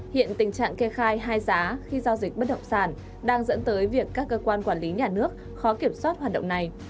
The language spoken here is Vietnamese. hiện tình trạng kê khai hai giá khi giao dịch bất động sản đang dẫn tới việc các cơ quan quản lý nhà nước khó kiểm soát hoạt động này